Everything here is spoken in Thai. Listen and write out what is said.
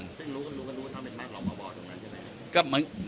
ซึ่งรู้กันซึ่งรู้ว่าเธอเป็นรักลองมาบอกตรงนั้นใช่ไหม